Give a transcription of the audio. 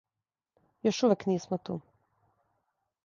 Још увек нисмо ту.